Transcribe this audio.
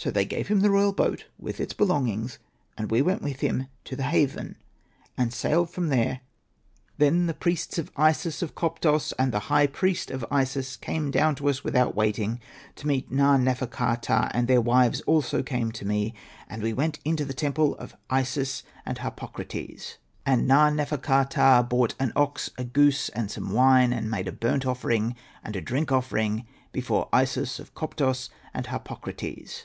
So they gave him the royal boat with its belongings, and we went with him to the haven, and sailed from there up to Koptos. " Then the priests of I sis of Koptos, and the high priest of Isis, came down to us without waiting, to meet Na.nefer.ka.ptah, and their wives also came to me. We went into the temple of Isis and Harpokrates ; and Hosted by Google AHURA'S TALE 97 Na.nefer.ka.ptah brought an ox, a goose, and some wine, and made a burnt offering and a drink offering before Isis of Koptos and Harpokrates.